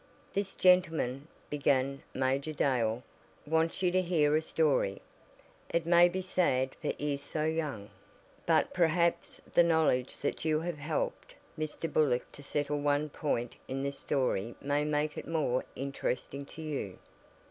"This gentleman," began Major Dale, "wants you to hear a story. It may be sad for ears so young, but perhaps the knowledge that you have helped Mr. Burlock to settle one point in this story may make it more interesting to you."